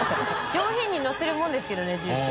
上品にのせるもんですけどね重って。